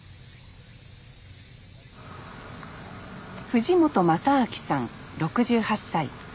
藤本正明さん６８歳。